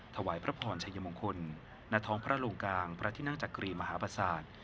ถวายพระพรชัยมงคลณท้องพระลงกลางพระที่นั่งจักรีมหาประสาท